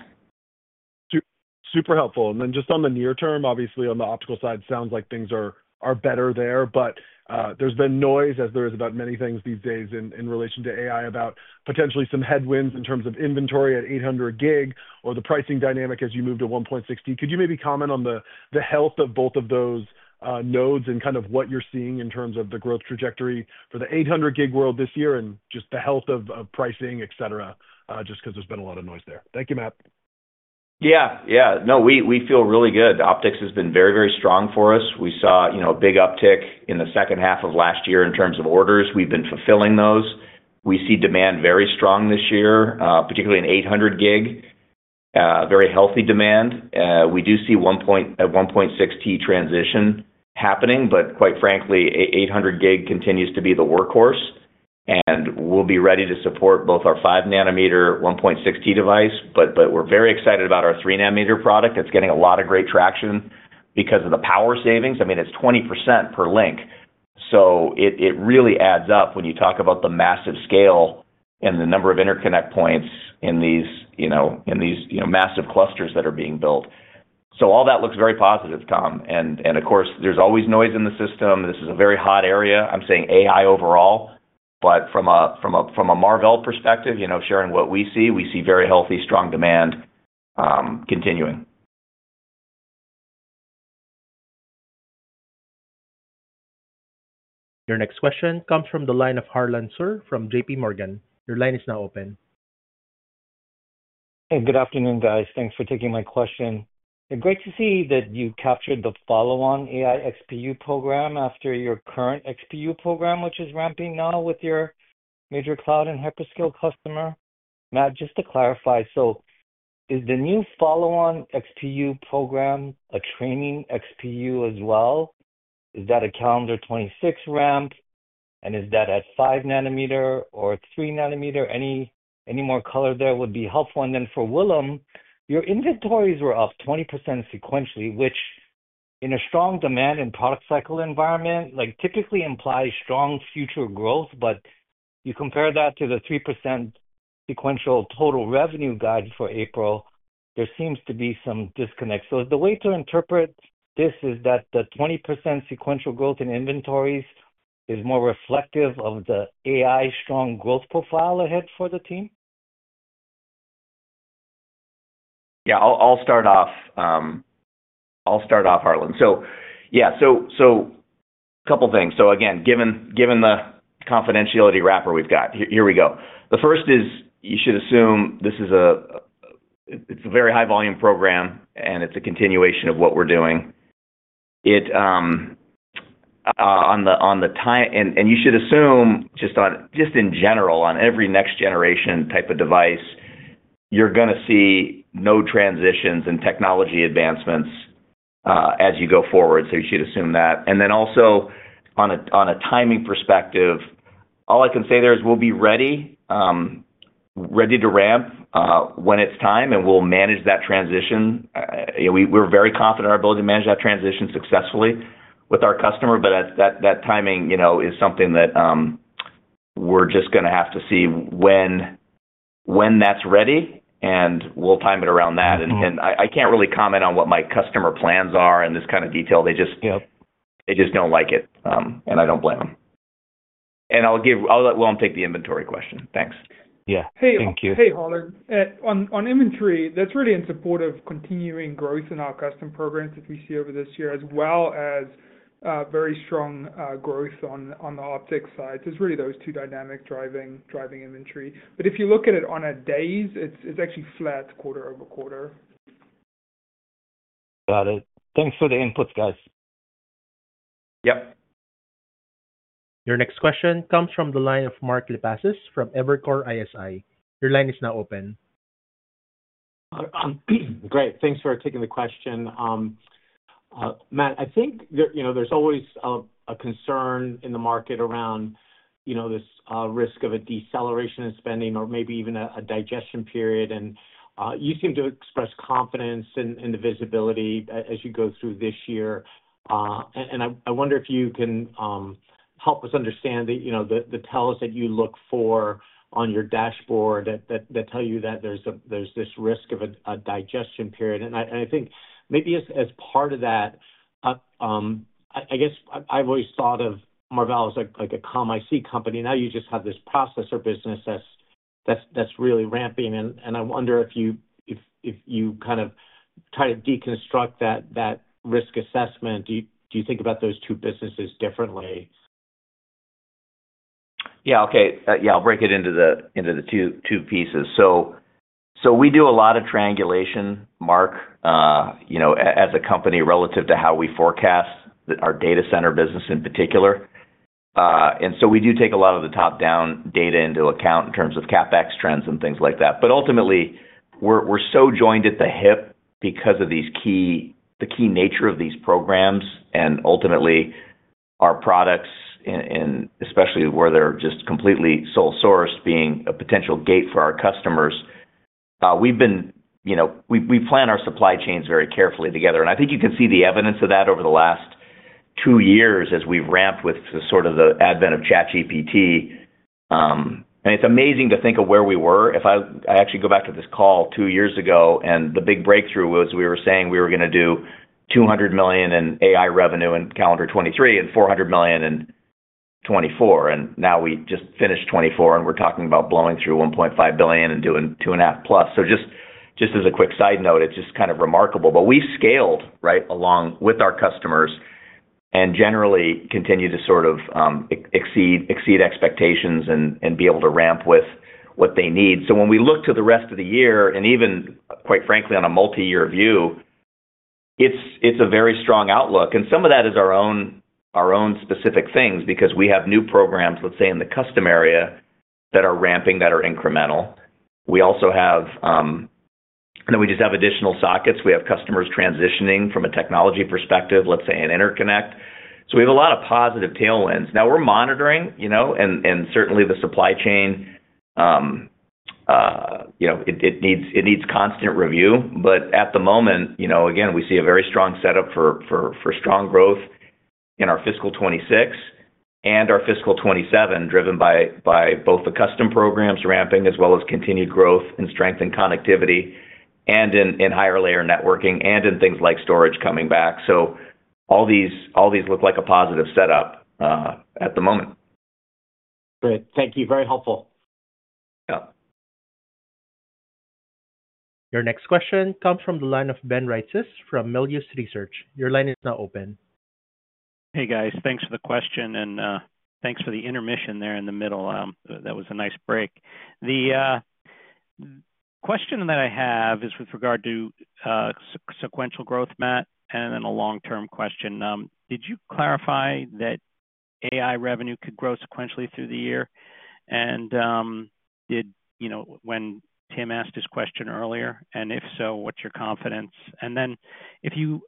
Super helpful. And then just on the near term, obviously, on the optical side, it sounds like things are better there. But there's been noise, as there is about many things these days in relation to AI, about potentially some headwinds in terms of inventory at 800 gig or the pricing dynamic as you move to 1.6. Could you maybe comment on the health of both of those nodes and kind of what you're seeing in terms of the growth trajectory for the 800 gig world this year and just the health of pricing, etc., just because there's been a lot of noise there? Thank you, Matt. Yeah. Yeah. No, we feel really good. Optics has been very, very strong for us. We saw a big uptick in the second half of last year in terms of orders. We've been fulfilling those. We see demand very strong this year, particularly in 800 gig, very healthy demand. We do see 1.6T transition happening, but quite frankly, 800 gig continues to be the workhorse, and we'll be ready to support both our 5-nanometer 1.6T device, but we're very excited about our 3-nanometer product. It's getting a lot of great traction because of the power savings. I mean, it's 20% per link, so it really adds up when you talk about the massive scale and the number of interconnect points in these massive clusters that are being built, so all that looks very positive, Tom, and of course, there's always noise in the system. This is a very hot area. I'm saying AI overall, but from a Marvell perspective, sharing what we see, we see very healthy, strong demand continuing. Your next question comes from the line of Harlan Sur from JPMorgan. Your line is now open. Hey, good afternoon, guys. Thanks for taking my question. Great to see that you captured the follow-on AI XPU program after your current XPU program, which is ramping now with your major cloud and hyperscale customer. Matt, just to clarify, so is the new follow-on XPU program a training XPU as well? Is that a calendar 2026 ramp? And is that at 5-nanometer or 3-nanometer? Any more color there would be helpful. And then for Willem, your inventories were up 20% sequentially, which in a strong demand and product cycle environment typically implies strong future growth. But you compare that to the 3% sequential total revenue guide for April, there seems to be some disconnect. So the way to interpret this is that the 20% sequential growth in inventories is more reflective of the AI strong growth profile ahead for the team? Yeah. I'll start off, Harlan. So yeah, so a couple of things. So again, given the confidentiality wrapper we've got, here we go. The first is you should assume this is a very high-volume program, and it's a continuation of what we're doing. On the time, and you should assume just in general on every next generation type of device, you're going to see no transitions and technology advancements as you go forward. So you should assume that. And then also on a timing perspective, all I can say there is we'll be ready to ramp when it's time, and we'll manage that transition. We're very confident in our ability to manage that transition successfully with our customer, but that timing is something that we're just going to have to see when that's ready, and we'll time it around that. And I can't really comment on what my customer plans are in this kind of detail. They just don't like it, and I don't blame them. And I won't take the inventory question. Thanks. Yeah. Thank you. Hey, Harlan. On inventory, that's really in support of continuing growth in our custom programs that we see over this year, as well as very strong growth on the optics side. So it's really those two dynamics driving inventory. But if you look at it on a days', it's actually flat quarter-over-quarter. Got it. Thanks for the input, guys. Yep. Your next question comes from the line of Mark Lipacis from Evercore ISI. Your line is now open. Great. Thanks for taking the question. Matt, I think there's always a concern in the market around this risk of a deceleration in spending or maybe even a digestion period. You seem to express confidence in the visibility as you go through this year. I wonder if you can help us understand the tells that you look for on your dashboard that tell you that there's this risk of a digestion period. I think maybe as part of that, I guess I've always thought of Marvell as like a comms IC company. Now you just have this processor business that's really ramping. I wonder if you kind of try to deconstruct that risk assessment. Do you think about those two businesses differently? Yeah. Okay. Yeah. I'll break it into the two pieces. We do a lot of triangulation, Mark, as a company relative to how we forecast our data center business in particular. We do take a lot of the top-down data into account in terms of CapEx trends and things like that. But ultimately, we're so joined at the hip because of the key nature of these programs. And ultimately, our products, and especially where they're just completely sole sourced, being a potential gate for our customers, we plan our supply chains very carefully together. And I think you can see the evidence of that over the last two years as we've ramped with sort of the advent of ChatGPT. And it's amazing to think of where we were. I actually go back to this call two years ago, and the big breakthrough was we were saying we were going to do $200 million in AI revenue in calendar 2023 and $400 million in 2024. And now we just finished 2024, and we're talking about blowing through $1.5 billion and doing $2.5 billion plus. So just as a quick side note, it's just kind of remarkable. But we scaled right along with our customers and generally continue to sort of exceed expectations and be able to ramp with what they need. So when we look to the rest of the year, and even quite frankly, on a multi-year view, it's a very strong outlook. And some of that is our own specific things because we have new programs, let's say, in the custom area that are ramping, that are incremental. We also have now we just have additional sockets. We have customers transitioning from a technology perspective, let's say, an interconnect. So we have a lot of positive tailwinds. Now we're monitoring, and certainly the supply chain, it needs constant review. But at the moment, again, we see a very strong setup for strong growth in our fiscal 2026 and our fiscal 2027, driven by both the custom programs ramping as well as continued growth and strength in connectivity and in higher layer networking and in things like storage coming back. So all these look like a positive setup at the moment. Great. Thank you. Very helpful. Yep. Your next question comes from the line of Ben Reitzes from Melius Research. Your line is now open. Hey, guys. Thanks for the question, and thanks for the intermission there in the middle. That was a nice break. The question that I have is with regard to sequential growth, Matt, and then a long-term question. Did you clarify that AI revenue could grow sequentially through the year? And did when Tim asked his question earlier? And if so, what's your confidence? Then if you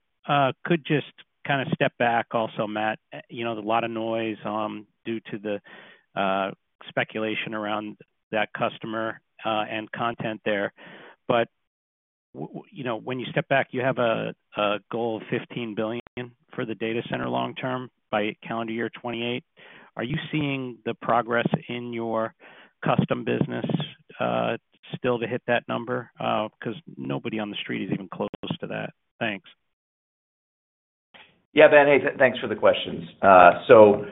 could just kind of step back also, Matt, a lot of noise due to the speculation around that customer and content there. But when you step back, you have a goal of $15 billion for the data center long-term by calendar year 2028. Are you seeing the progress in your custom business still to hit that number? Because nobody on the street is even close to that. Thanks. Yeah, Ben, thanks for the questions. So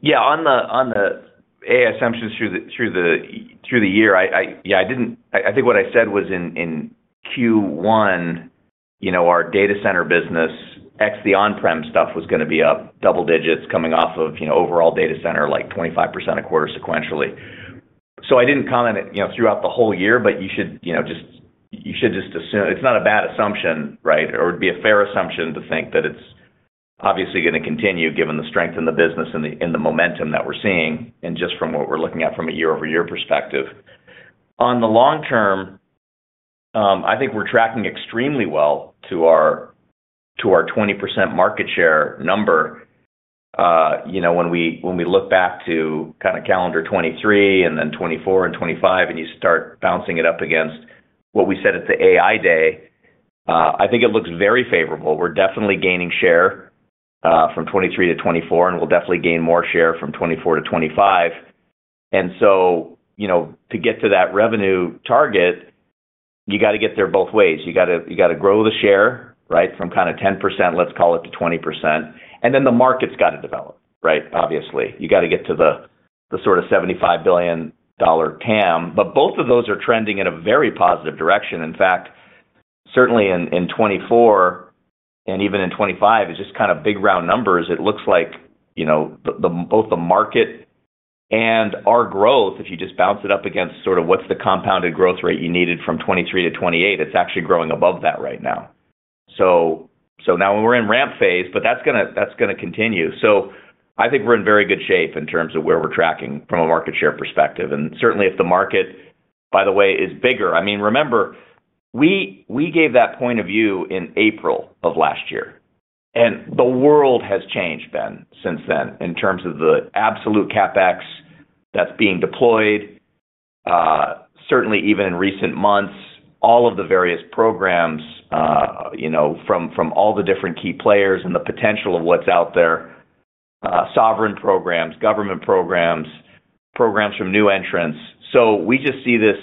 yeah, on the AI assumptions through the year, yeah, I think what I said was in Q1, our data center business, ex the on-prem stuff, was going to be up double digits coming off of overall data center, like 25% a quarter sequentially. So I didn't comment throughout the whole year, but you should just assume it's not a bad assumption, right? Or it'd be a fair assumption to think that it's obviously going to continue given the strength in the business and the momentum that we're seeing and just from what we're looking at from a year-over-year perspective. On the long term, I think we're tracking extremely well to our 20% market share number. When we look back to kind of calendar 2023 and then 2024 and 2025, and you start bouncing it up against what we said at the AI day, I think it looks very favorable. We're definitely gaining share from 2023 to 2024, and we'll definitely gain more share from 2024 to 2025. And so to get to that revenue target, you got to get there both ways. You got to grow the share, right, from kind of 10%, let's call it to 20%. And then the market's got to develop, right? Obviously, you got to get to the sort of $75 billion TAM. But both of those are trending in a very positive direction. In fact, certainly in 2024 and even in 2025, it's just kind of big round numbers. It looks like both the market and our growth, if you just bounce it up against sort of what's the compounded growth rate you needed from 2023 to 2028, it's actually growing above that right now. So now we're in ramp phase, but that's going to continue. So I think we're in very good shape in terms of where we're tracking from a market share perspective. And certainly, if the market, by the way, is bigger, I mean, remember, we gave that point of view in April of last year. And the world has changed, Ben, since then in terms of the absolute CapEx that's being deployed, certainly even in recent months, all of the various programs from all the different key players and the potential of what's out there, sovereign programs, government programs, programs from new entrants. So we just see this,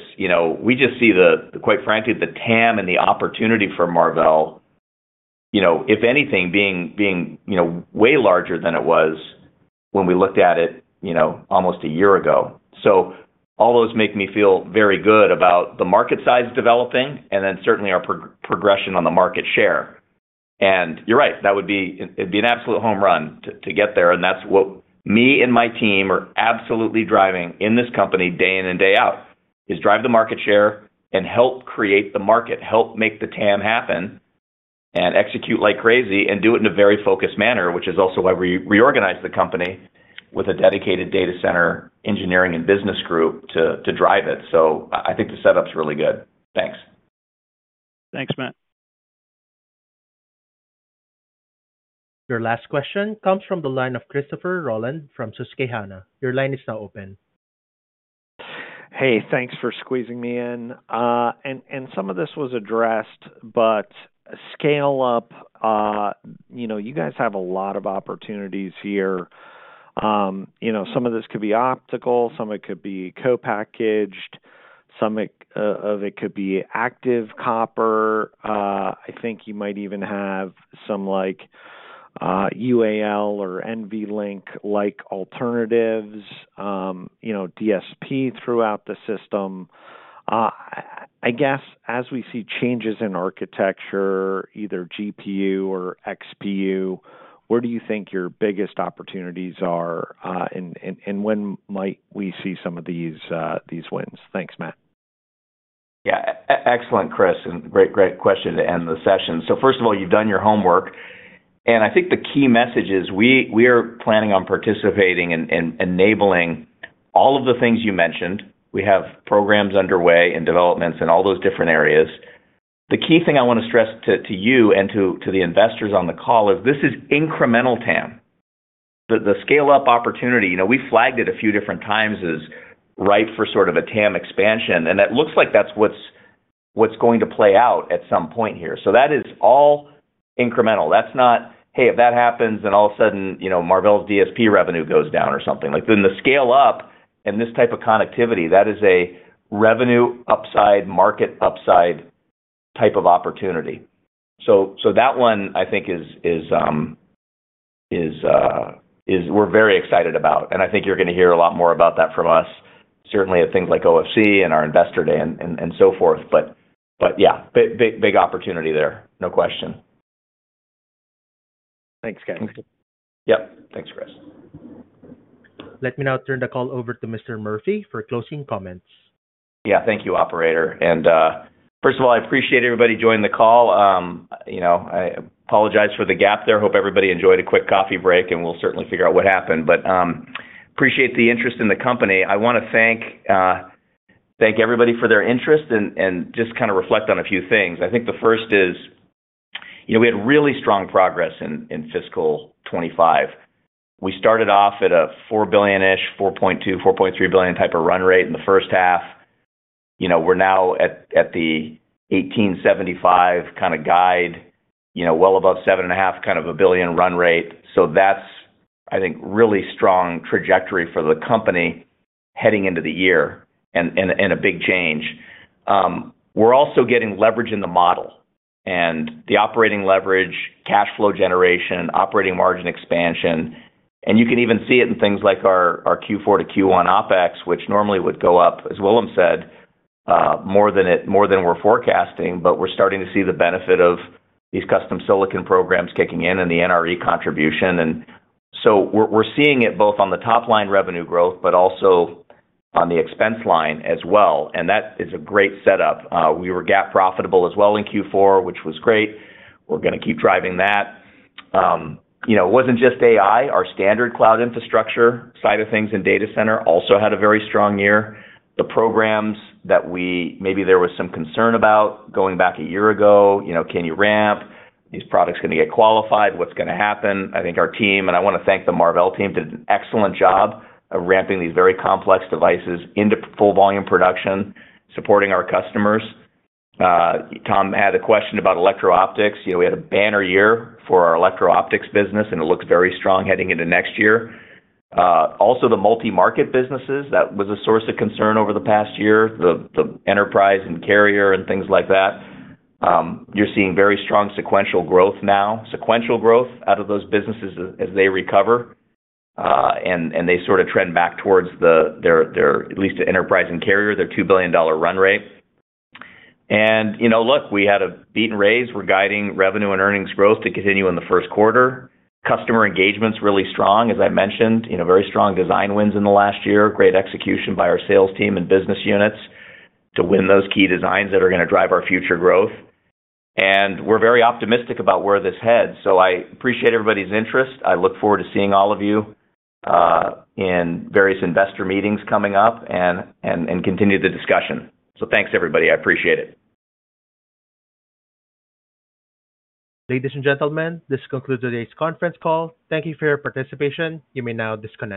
quite frankly, the TAM and the opportunity for Marvell, if anything, being way larger than it was when we looked at it almost a year ago. So all those make me feel very good about the market size developing and then certainly our progression on the market share. And you're right. That would be an absolute home run to get there. And that's what me and my team are absolutely driving in this company day in and day out, is drive the market share and help create the market, help make the TAM happen and execute like crazy and do it in a very focused manner, which is also why we reorganized the company with a dedicated data center engineering and business group to drive it. So I think the setup's really good. Thanks. Thanks, Matt. Your last question comes from the line of Christopher Rolland from Susquehanna. Your line is now open. Hey, thanks for squeezing me in. And some of this was addressed, but scale up. You guys have a lot of opportunities here. Some of this could be optical. Some of it could be co-packaged. Some of it could be active copper. I think you might even have some UAL or NVLink-like alternatives, DSP throughout the system. I guess as we see changes in architecture, either GPU or XPU, where do you think your biggest opportunities are? And when might we see some of these wins? Thanks, Matt. Yeah. Excellent, Chris. And great question to end the session. So first of all, you've done your homework. And I think the key message is we are planning on participating and enabling all of the things you mentioned. We have programs underway and developments in all those different areas. The key thing I want to stress to you and to the investors on the call is this is incremental TAM. The scale-up opportunity, we flagged it a few different times as ripe for sort of a TAM expansion. And it looks like that's what's going to play out at some point here. So that is all incremental. That's not, "Hey, if that happens, then all of a sudden, Marvell's DSP revenue goes down or something." Then the scale-up and this type of connectivity, that is a revenue upside, market upside type of opportunity. So that one, I think, we're very excited about. And I think you're going to hear a lot more about that from us, certainly at things like OFC and our investor day and so forth. But yeah, big opportunity there. No question. Thanks, guys. Yep. Thanks, Chris. Let me now turn the call over to Mr. Murphy for closing comments. Yeah. Thank you, Operator. And first of all, I appreciate everybody joining the call. I apologize for the gap there. Hope everybody enjoyed a quick coffee break, and we'll certainly figure out what happened. But appreciate the interest in the company. I want to thank everybody for their interest and just kind of reflect on a few things. I think the first is we had really strong progress in fiscal 2025. We started off at a $4 billion-ish, $4.2-$4.3 billion type of run rate in the first half. We're now at the $1.875 billion kind of guide, well above $7.5 billion kind of a run rate. So that's, I think, really strong trajectory for the company heading into the year and a big change. We're also getting leverage in the model and the operating leverage, cash flow generation, operating margin expansion. And you can even see it in things like our Q4 to Q1 OpEx, which normally would go up, as Willem said, more than we're forecasting. But we're starting to see the benefit of these custom silicon programs kicking in and the NRE contribution. And so we're seeing it both on the top-line revenue growth, but also on the expense line as well. And that is a great setup. We were GAAP profitable as well in Q4, which was great. We're going to keep driving that. It wasn't just AI. Our standard cloud infrastructure side of things in data center also had a very strong year. The programs that maybe there was some concern about going back a year ago, can you ramp? These products are going to get qualified. What's going to happen? I think our team, and I want to thank the Marvell team, did an excellent job of ramping these very complex devices into full-volume production, supporting our customers. Tom had a question about electrical optics. We had a banner year for our electrical optics business, and it looks very strong heading into next year. Also, the multi-market businesses, that was a source of concern over the past year, the enterprise and carrier and things like that. You're seeing very strong sequential growth now, sequential growth out of those businesses as they recover, and they sort of trend back towards their, at least the enterprise and carrier, their $2 billion run rate. And look, we had a beat and raise. We're guiding revenue and earnings growth to continue in the first quarter. Customer engagements really strong, as I mentioned, very strong design wins in the last year, great execution by our sales team and business units to win those key designs that are going to drive our future growth. And we're very optimistic about where this heads. So I appreciate everybody's interest. I look forward to seeing all of you in various investor meetings coming up and continue the discussion. So thanks, everybody. I appreciate it. Ladies and gentlemen, this concludes today's conference call. Thank you for your participation. You may now disconnect.